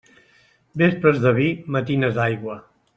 Vespres de vi, matines d'aigua.